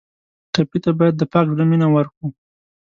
ټپي ته باید د پاک زړه مینه ورکړو.